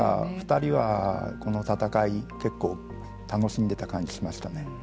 ２人はこの戦い結構楽しんでた感じしましたね。